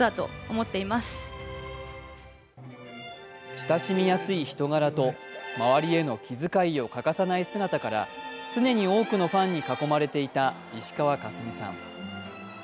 親しみやすい人柄と周りへの気遣いを欠かさない姿から常に多くのファンに囲まれていた石川佳純さん。